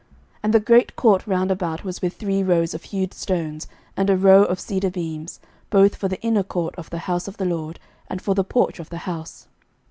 11:007:012 And the great court round about was with three rows of hewed stones, and a row of cedar beams, both for the inner court of the house of the LORD, and for the porch of the house.